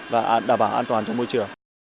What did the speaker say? và đảm bảo an toàn cho môi trường